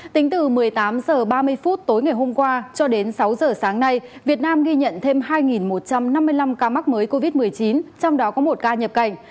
tính từ một mươi tám h ba mươi phút tối ngày hôm qua cho đến sáu giờ sáng nay việt nam ghi nhận thêm hai một trăm năm mươi năm ca mắc mới covid một mươi chín trong đó có một ca nhập cảnh